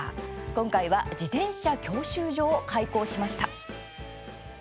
今回は自転車教習所を開校しました。